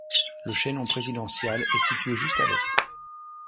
Le Chaînon Presidential est situé juste a l'est.